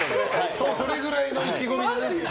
そのぐらいの意気込みでね。